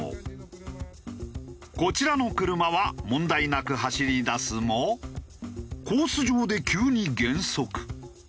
こちらの車は問題なく走り出すもコース上で急に減速。